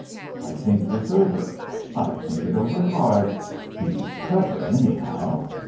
I think this over. I think it over hard.... He's clever anyhow....